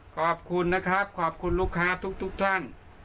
ขอบคุณนะครับขอบคุณลูกค้าทุกท่าน